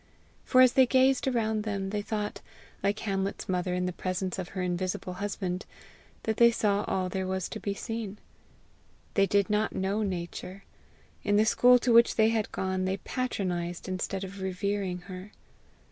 For as they gazed around them, they thought, like Hamlet's mother in the presence of her invisible husband, that they saw all there was to be seen. They did not know nature: in the school to which they had gone they patronized instead of revering her.